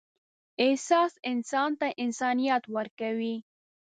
احساس انسان ته انسانیت ورکوي.